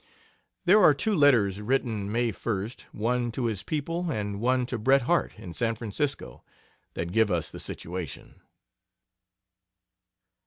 There are two letters written May 1st, one to his people, and one to Bret Harte, in San Francisco; that give us the situation.